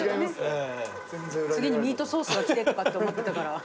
次にミートソースが来てとかって思ってたから。